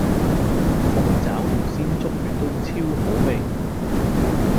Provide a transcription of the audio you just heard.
鳳爪同鮮竹卷都超好味